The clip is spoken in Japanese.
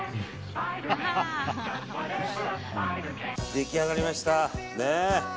出来上がりました。